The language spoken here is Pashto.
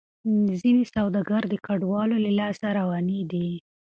ځینې سوداګرۍ د کډوالو له لاسه روانې دي.